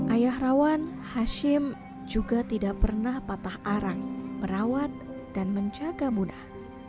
ayah rawan hashim juga tidak pernah patah arang merawat dan menjaga munah